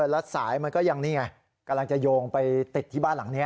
แล้วสายมันก็ยังนี่ไงกำลังจะโยงไปติดที่บ้านหลังนี้